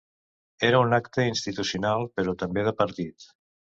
Era un acte institucional, però també de partit.